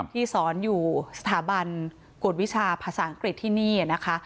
ที่สอนอยู่สถาบันกวดวิชาภาษาอังกฤษที่นี่นะคะ